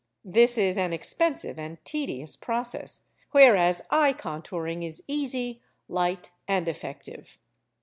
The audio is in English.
This is an expensive and tedious process, whereas eye contouring is easy, light, and effective.